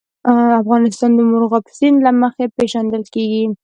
افغانستان د مورغاب سیند له مخې پېژندل کېږي.